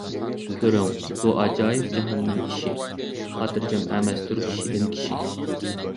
كۆرۈڭ، بۇ ئاجايىپ جاھاننىڭ ئىشى، خاتىرجەم ئەمەستۇر كىشىدىن كىشى.